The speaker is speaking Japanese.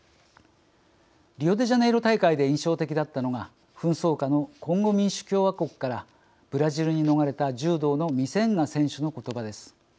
リオデジャネイロ大会で印象的だったのが紛争下のコンゴ民主共和国からブラジルに逃れた柔道のミセンガ選手のことばです。